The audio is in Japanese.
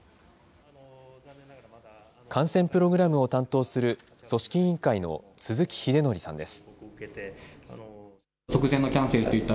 観戦プログラムを担当する組織委員会の鈴木秀紀さんです。